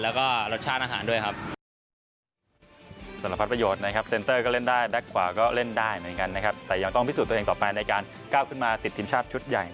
แล้วก็รสชาติอาหารด้วยครับ